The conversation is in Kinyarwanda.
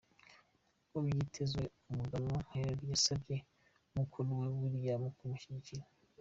Nk'uko vyitezwe, umuganwa Harry yasavye mukuruwe William kumushigikira.